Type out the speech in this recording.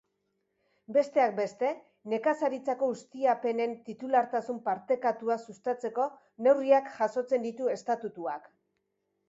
Besteak beste, nekazaritzako ustiapenen titulartasun partekatua sustatzeko neurriak jasotzen ditu estatutuak.